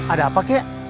ada apa kek